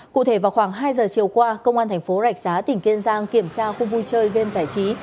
cụ thể vào khoảng hai giờ chiều qua công an thành phố rạch giá tỉnh kiên giang kiểm tra khu vui chơi game giải trí